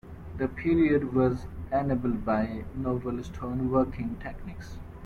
The period was enabled by novel stone working techniques.